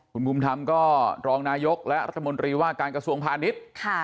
คุณภูมิธรรมก็รองนายกและรัฐมนตรีว่าการกระทรวงพาณิชย์